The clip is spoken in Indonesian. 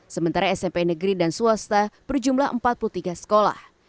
sementara smp negeri dan swasta berjumlah empat puluh tiga sekolah